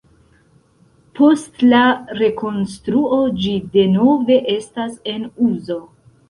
Post la rekonstruo ĝi denove estas en uzo.